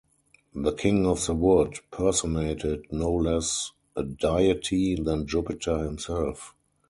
The King of the Wood personated no less a deity than Jupiter himself.